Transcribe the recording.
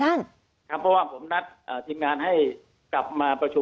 ตั้งแต่มีการ